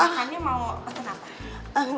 makannya mau pesen apa